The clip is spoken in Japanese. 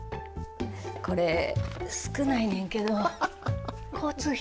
これ少ないねんけど交通費。